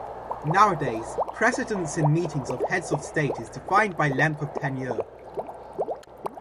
Nowadays precedence in meetings of heads of state is defined by length of tenure.